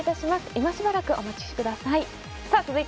今しばらくお待ちください。